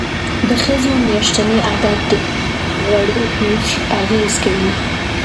د ښځو میاشتنی عادت د غوړو په ویش اغیز کوي.